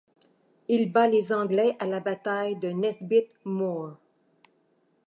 Il bat les Anglais à la bataille de Nesbit Moor.